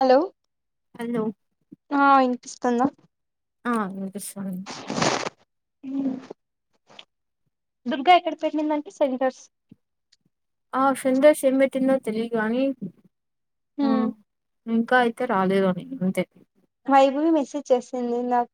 Hello hello ఆ ఇనిపిస్ తుంద ఆ అనిపిసుంది ఊ దుర్గా ఎక్కడ పెట్టిందండి సెంటర్స్ ఆ ఫిందోస్ ఏం పెట్టిందో తెలియ కాని ఊ ఇంకా అయితే రాలేదని అంతే రైభూ మెసేజ్ చేసింది ఇందాక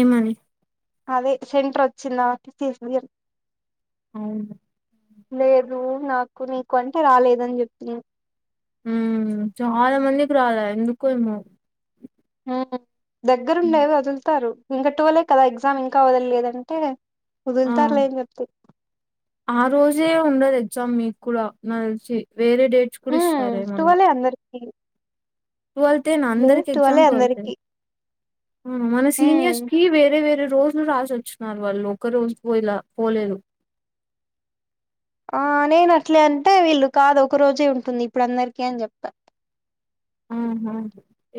ఏమి అదే సెంటర్ వచ్చిందా కిచెసిందేం అవును లేదు నాకు నీకు అంటే రాలేదని చెప్తున్న ఊ చాలా మందికి రాలే ఎందుకో ఏమో అ ఉమ్, దగ్గరుండేవి వదులుతారు ఇంక ట్టువలే కదా ఎగ్జామ్ ఇంకా వదల్లెదంటే ఆ ఆరోజే ఉండదు ఎ ఎగ్జామ్ మీ కూడా నతెలిసి వేరే డేట్స్ కూడా ఇస్తార్ ఏమన్నా టువలే అందరికి ట్వెల్త్న్ లేదు అందరికి ఎగ్జామ్ టువలే ట్వెళ్తే అందరికి మన సీనియర్స్కి వేరె వేరె రోజులు రాసచ్చన్నారు వాళ్ళు ఒక్క రోజు పో ఇలా పోలేదు ఆ నేను అట్లే అంటే వీళ్ళు కాదు ఒక రోజే ఉంటుంది ఇప్పుడు అందరికి అని చెప ఆహా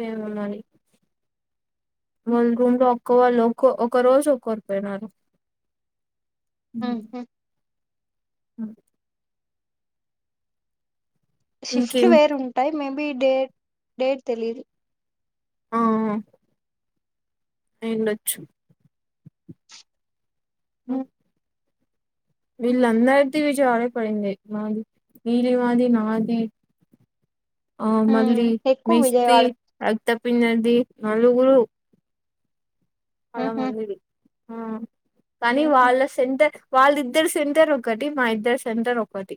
ఏమో మరి వల్రుూమ్ లో కో లో కొ ఒక రోజు ఒక్కోరు పోయినారు ఉ ఉహు ఉ షిఫ్ట్ లు ఇంకేం వేరుంటాయి మేము నీ డేట్ డేట్ తెలీదు ఆ ఉ వీళ్ళందరిది విచా ఆ ఉమ్ మళ్ళీ ఎక్కువ వీస్తే విజయవాడ అయిత పిన్నది నలుగురు ఆర ఉహు, మందిది ఆ కానీ ఉహు, వాళ్ళ సెంటర్ వాళ్ళిద్దరు సెంటర్ ఒకటి మా ఇద్దరు సెంటర్ ఒకటి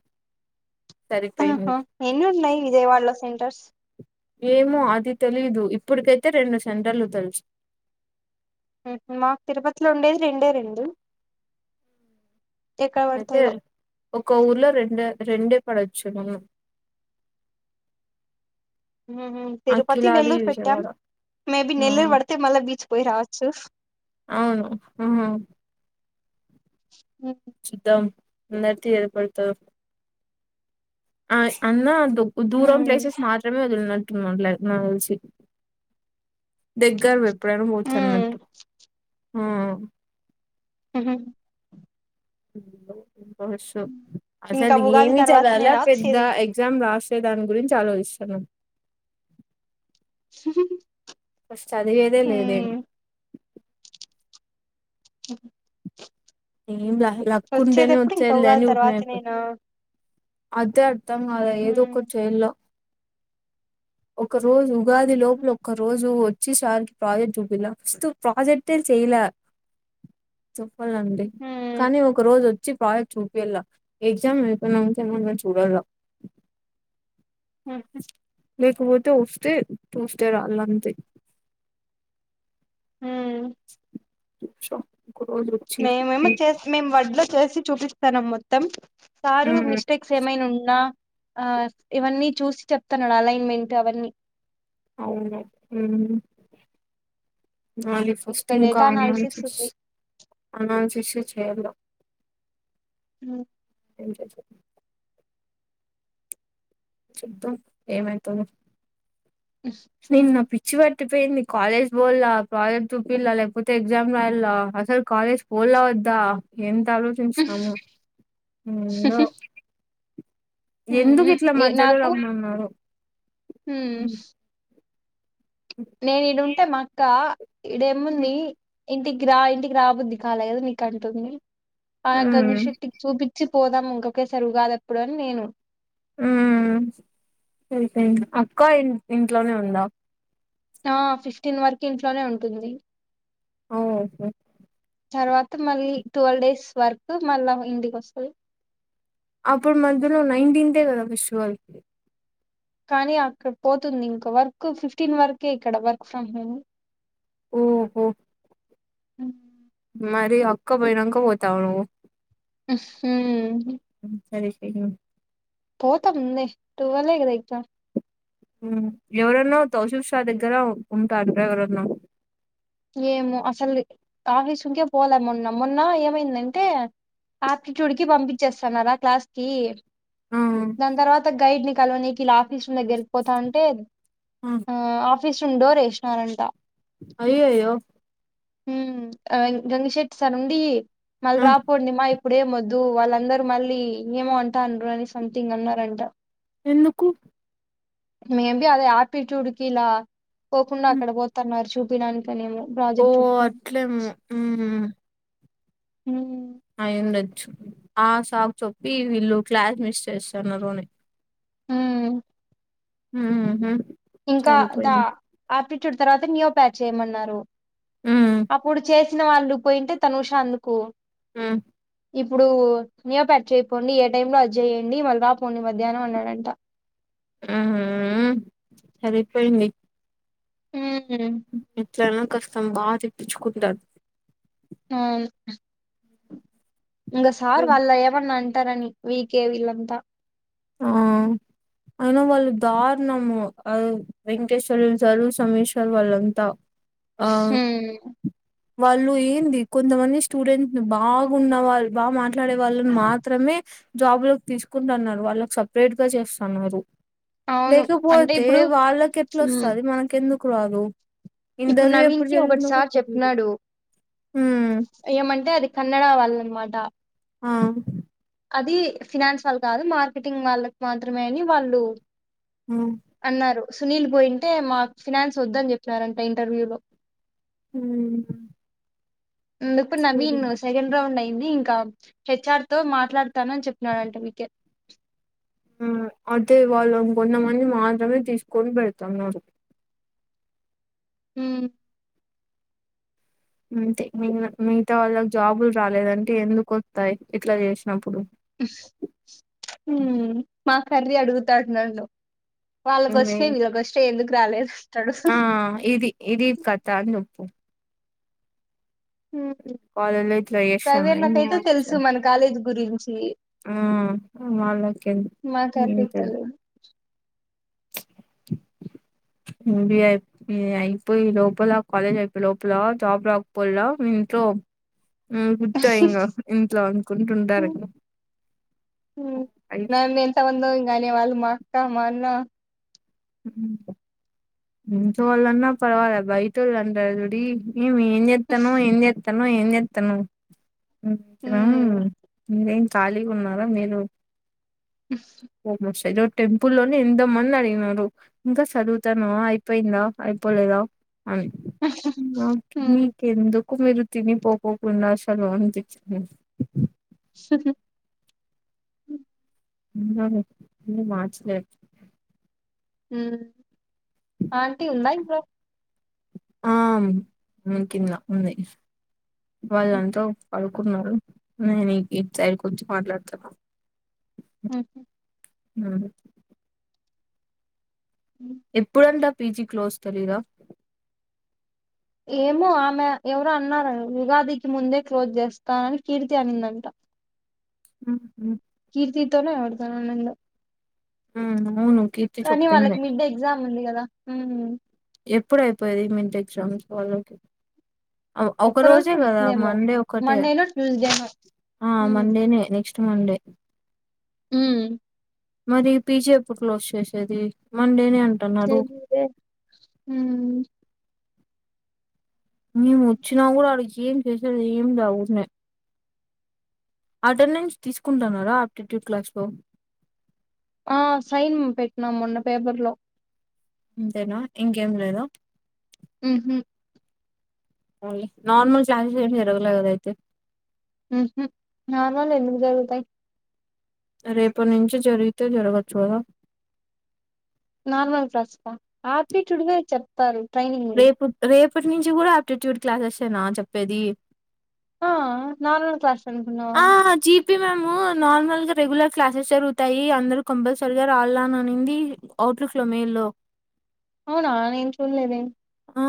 సరిపోయింది ఎన్నిఉన్నయ్ విజయవాడలో సెంటర్స్ ఏమో అది తెలీదు ఇప్పుటికైతే రెండు సెంటర్లు తెలుసు మాకు తిరుపతిలో ఉండేది రెండే రెండు ఎక్కడ అయితే పడతాయో ఒక ఊర్లో రెండు రెండే పడొచ్చు తిరుపతి అఖిలాది నెల్లూరు పెట్టాం విజయవాడ మేబీ ఆ నెల్లూరు పడితే మళ్ళ బీచ్ పోయి రావచ్చు అవును ఊ ఉ చూద్దాం అందరికీ ఎడ పడతాదో ఆ అన్న దూరం ఉమ్, ప్లేసెస్ మాత్రమే ట్టు తెసి దగ్గర [unintelligible] ఎప్పుడైనా పోవచ్చు ఉమ్, అన్నట్టు ఆ హ ఇంకా అసలు ఉగాది ఏమి తర్వాత చదవాల నేనా పెద్ద వచ్చేది ఎగ్జామ్ రాస్ అే దాని గురించి ఆలోచిస్తాన్నాం ఫస్ట్ చదివేదే లేదే ఉమ్, ఓ ఏంల లక్కు ఉంటేనే ఎప్పుడు ఇంకా వచ్చేది లే ఉగాది అని ఉరికినే తర్వాత అయిపోత అదే అర్థం కాలాఏదో ఒకటి చేయాల ఒక రోజ ఉగాది లోప ల నేనా ఒక రోజు చ్చి సార్ కి ప్రాజెక్ట్ జూపిల్ల ఫస్ట్ ప్రాజెక్టే చేయిలే చెప్పల్ల కానీ ఒక రోజు వచ్చి ప్రాజె జూపిల్ల ఎగ్జామ్ ఐయిపోయింకేమన్న చూడల్ల ఆ లేకుపోతే వొస్తే ట్యూస్డే రాళ్లంతే అ స మేమేమో చేసి మేము వడ్లో చేసి చూపిస్తాన మొత్తం సారు ఉమ్ మిస్టేక్స్ ఏమైనా ఉన్నా ఆ ఇవన్నీ చూసి చెప్తాను అలైన్మెంట్ అవన్నీ అవును అది ఫస్ట్ ఇక్కడ డేటా ఇంకా అనాలిసిస్ ఉంది శిశు చేయలో ఉ చూద్దాం ఏమవుతుందో నీన్న పిచ్చిప ట్టిపోయింది కాలేజ్ పోల్లా ప్రాజెక్ట్ చూపిల్లా లేకపోతే ఎగ్జామ్ రాయల్ల అసలు కాలేజ్ పోల్లా వద్దా ఎంత ఆలోచించించినము ఎందుకిట్ల మధ్యలో రమ్మన్నారొ ఉమ్ నేను ఈడుంటే మా అక్క ఈడేముంది ఇంటికి రా ఇంటికి రాబుద్ది కాలే కదా నీకంటుంది ఆగంగ ఉమ్ షెటి చూపించి పోదాం ఇంకొకేరి ఉగాదప్పుడు అని నేను ఉమ్ సరిపోయింది అక్క ఇ ఇంట్లోనే ఉందా ఆ ఫిఫ్టీన్ వర్క్ ఇంట్లోనే ఉంటుంది అఓ తర్వాత మళ్ళీ టువల్ డేస్ వర్క్ మళ్ళా ఇంటికి వస్తుంది అప్పుడు మధ్యలో నైన్టీన్త్ ఎ గదా ఫెస్టివల్ కానీ అక్కడ పోతుంది ఇంక వర్క్ ఫిఫ్టీన్ వరకే ఇక్కడ వర్క్ ఫ్రమ్ హోమ్ ఓహో అ మరి అక్క పోయినంక పోతావ నువ్వు అ [inaudible] సరే [unintelligible] పోతా ముందే టూవెళ్లే కదా [unintelligible] ఎవరన్నోతౌ [unintelligible] దగ్గర ఉంటార ఎవరన్నాో ఏమో అసలు ఆఫీస్ రూమ్ కె పోలే మొన్న మొన్న ఏమైందంటే ఆప్టిట్యూడ్ కి పంపించేస్తానలా క్లాస్కిి దాని తర్వాత గైడ్ ని కాలొనీ కి ఇలా [unintelligible] దగ్గరికి పోతా అంటే ఆ ఆఫీస్ రూమ్ డోర్ ఎసినారంట అయ్య అయ్యో ఉమ్ గంగ షెటి సార్ ఉండి మళ్ళీ రూపొండి ని మా ఇప్పుడేమ్ వొద్దు వాళ్ళందరుూ మళ్ళీ ఏమో అంటన్నారు అని సంథింగ్ అన్నారంట ఎందుకు మేం బి అదే హయాపిట్యూడ్ కి ఇలా పోకుండా అక్కడ పోతున్నారు చూపడానికి ఓ అట్లమో ఉమ్ ఆ ఇందది ఆ సాక్ చొప్పి వీళ్ళు క్లాస్ మిస్ చేస్తున్నారు అని హ్మ్ హ్మ్ హ్మ్ ఇంకా ద ఆపి ట్యూడ్ తర్వాత న్యో ప్యాచ్ చేయమన్నారు అప్పుడు చేసి చ్చిన వాళ్ళు పోయింటే తనుష అందుకు ఆ ఇప్పుడు నేఒపట్ చేయిపోండి ఏ టైమ్ లో అజ చేయ్యడి మళ్ళీ రాపోండి మధ్యాహ్నం అన్నాడంట ఆహా సరిపోయింది హ్మ్ హ్మ్ ఇట్లనా కస్తం బాగా తెప్పించుకుంటాారు ఆవు ఇంగ సార్ వాళ్ళ ఏమాన్నా అంటారని వీకే వీలంతా ఆ అయినా వాళ్ళు దారుణము వెంకటేశ్వర్ సారు సమీేశ్వర్ వాళ్ళంతా ఆ హ్మ్ వాళ్ళు ఏంది కొంతమంది స్టూడెంట్స్ బాగున్న వాళ్ళు బాగా మా ట్లాడే వాళ్ళని మాత్రమే జాబ్ లోకి తీసుకుంటున్నారు వాళ్ళ సపరేట్ గా చేస్తన్నారు అవును అంటే లేకపోతే ఇప్పుడు వాళ్ళకి ఉమ్, ఎట్లాొస్తుంది మనక ఎందుకు క్లాదు ఇప్పుడు నవీన్ కి ఒకటిసారి తెలీదు చెప్న్నాడు ఉమ్ ఏమంటే అది కన్నడ వాళ్ళ అనమాట ఆ అది ఫినాన్స్ వాళ్ళు కాదు మార్కెటింగ్ వాళ్ళకి మాత్రమే అని వాళ్ళు ఉమ్ అన్నారు సునీల్ బోయింటే మా ఫినాన్స్ వద్దని చెప్పినారంట ఇంటర్వ్యూ లో హ ఇందుకు నవీ సెకండ్ రౌండ్ అయింది హెచ్ఆర్ తో మాట్లాడుతాను చెప్పినడంట మీకే అదే వాళ్ళు కొంత మంది మాత్రమే తీసుకొని పెడతాంన్నారు హ అంతే మి మిగతా వాళ్ళకి జాబులు రాలేదంటే ఎందుకు వస్తాయి ఇట్లా చేసినప్పుడు మా కర్రి అడుగుతాడు నన్ను వాళ్ళకు మేం వచ్చిపోయిందిలే ఫస్ట్ ఎందుకు వాలే ఆ ఇది ఇది కథ అని చెప్పు కాలేజ్లో ఇట్లా ప్రైవేట్ చేస్తామని మీ నాకైతే తెలుసు ఆన్సర్ మన కాలేజ్ కొరియన్స్ ఆ వాళ్ళకేంది మా కర్రీకి ఏమయితది తెలియదు బియి అయిపోయి లోపల కాలేజ్ అయిపోయి లోపల జాబ్ రాకపోలా ఇట్లో గుచ్చాయి ఇంకా ఇంట్లో అనుకుంటుంటారూ ఇక మ్మ్. మాక్క మాన్నా ఇంట్లోలన్న పర్వాల బయటోలు అంటారు చూడు ఏమి ఏమి చేస్తున్నావు ఏమి తను ఎం చేస్తున్నావు అవును హ్మ్ ఇంకేం ే ఖాళీగా ఉన్నారా మీరూ [unintelligible] టెంపుల్లోనే ఎంత మంది అడిగినరు ఇంకా చదువుతానవ అయిపోయిందా అయిపోలేదా అ హ్మ్. మీకెందుకు కు మీరు తినిపోకోకుండా సలు అందిచ్చ సహ మార్చలేం ఆంటి ఉందా ఇంట్లో ఆ ఉ కింద ఉంది హ్మ్. వాళ్ళంతా ప అనుకున్నారు నేను ఈ సైడ్కి వచ్చి మాట్లాడుతున్నా ఉ ఉ హ్మ్. ఎప్పుడంటా పిజి క్లోస్ తెలిద ఏమో ఆమె ఎవరో అన్నారు ఉగాదికి ముందే క్లోజ్ చేస్తానని కీర్తి అనిందంట ఉహు కీర్తితోనే ఎవరితోనో అనిందో ఉ అవును కీర్తి కానీ వాళ్ళకి చెప్పింది మిడ్ ఎగ్జామ్ ఉంది కదా ఉ ఎప్పుడు అయిపోయేది మిడ్ ఎగ్జామ్స్ వాళ్ళకి ఒక ఒక్క రోజు రోజే కదా ఉంటుందేమో మండే ఒకటే మండేనో ట్యూస్డేనో ఆ మండేనే నెక్స్ట్ మండే ఉ మరి పీజీ ఎప్పుడు క్లోజ్ చేసేది మండేనే అంటున్నారు తెలీదే హు మేము వచ్చినా కూడా అడికి ఏం చేసేది లే ఊకనే అటెండెన్స్ తీసుకుంటాన్నారా ఆప్టిట్యూడ్ క్లాస్ లో ఆ సైన్ పెట్టినాం మొన్న పేపర్ లో అంతేనా ఇంకేం లేదా ఉహు నార్మల్ క్లాసెస్ ఏం జరగలేదు కదా అయితే ఉహు నార్మల్ వి ఎందుకు జరుగుతాయి రేపు నుంచి జరిగితే జరగచ్చు కదా నార్మల్ క్లాసెసా ఆప్టిట్యూడ్ వే చెప్తారు ట్రైనింగ్ వి రేపు రేపు రేపటి నుంచి కూడా ఆప్టిట్యూడ్ క్లాసెస్సేనా చెప్పేది ఆ నార్మల్ క్లాసెస్ కనుకున్నావా మేము నార్మల్గా రెగ్యులర్ క్లాసెస్ జరుగుతాయి అందరుూ కంపల్సరీగా రాల్లా అనింది అవుట్లుక్ లో మేల్లో అవునా నేను చూడలేదే ఆ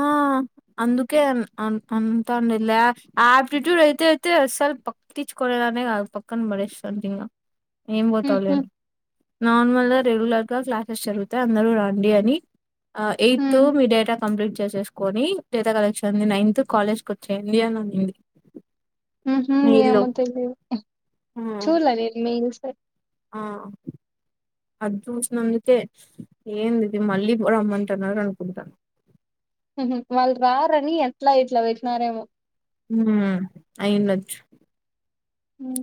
అందుకే అన్ అన్ అంతా నిలా ఆ ఆప్టిట్యూడ్ అయితే అయితే అసలు పక్టించుకోనే దాన్నే కాదు పక్కన పడేస్తుంటి ఇంకా ఏం పోతావులే ఉహు అని నార్మల్గా రెగ్యులర్ గా క్లాసెస్ జరుగుతాయి అందరూ రండి అని ఆ ఏతు ఉమ్ మీ డేటా కంప్లీట్ చేసేసుకొని డేటా కలెక్షన్ నైన్త్ కాలేజ్ కి వచ్చేయండి అని అనింది ఉహు మెయిల్లో ఏమో తెలీదులే ఆ చూడలేదు నేను మెయిల్స్ ఆ అది చూసినందుకే ఏంది ఇది మళ్ళీ రమ్మంటున్నారు అనుకుంటా వాళ్ళు రారని ఎట్లా ఇట్లా పెట్టినారేమో హు అయిన్డొచ్చు ఉ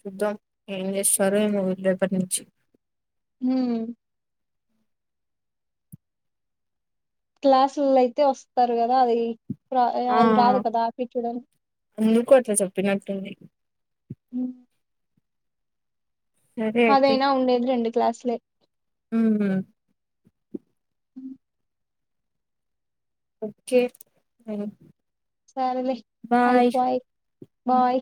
చూద్దాం ఏం చేస్తారో ఏమో వీళ్ళు రేపటి నుంచి ఊ క్లాసుల్లో అయితే వస్తారు కదా అది ర రాదు కదా పీట డం ఎందుకు అట్లా సెప్పినట్టుంది [inaudible] సరే పదైనా ఉండేది రెండె క్లాస్ లో ఊ ఊ హ [inaudible] ఓక్కే సరేలే ఆయిపోయి బాయ్